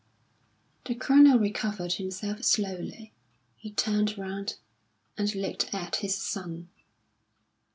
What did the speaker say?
The Colonel recovered himself slowly, he turned round and looked at his son.